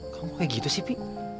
kamu kayak gitu sih pi